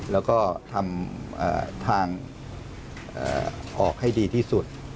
แล้วก็ทำทางออกให้ดีที่สุด